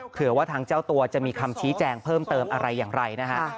เผื่อว่าทางเจ้าตัวจะมีคำชี้แจงเพิ่มเติมอะไรอย่างไรนะฮะ